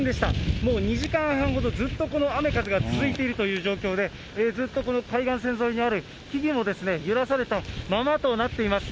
もう２時間半ほど、ずっとこの雨風が続いているという状況で、ずっとこの海岸線沿いにある木々も揺らされたままとなっています。